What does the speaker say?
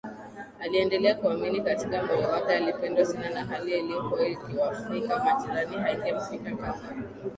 aliendelea kuamini katika moyo wake alipendwa sana na hali iliyokuwa ikiwafika majirani haingemfika kamwe